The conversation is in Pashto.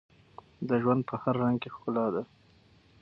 د ژوند په هر رنګ کې ښکلا ده.